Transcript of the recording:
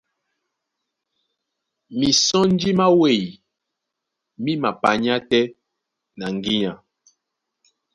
Mísɔnji má wêy mí mapanyá tɛ́ na ŋgínya.